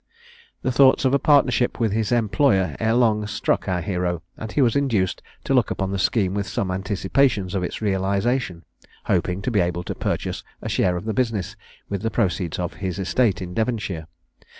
The thoughts of a partnership with his employer ere long struck our hero, and he was induced to look upon the scheme with some anticipations of its realisation, hoping to be able to purchase a share of the business with the proceeds of his estate in Devonshire.